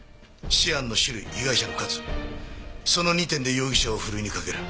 シアンの種類被害者の数その２点で容疑者をふるいにかける。